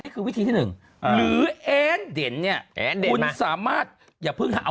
วิธีที่หนึ่งหรือเอ็นเด่นเนี่ยคุณสามารถอย่าเพิ่งฮะ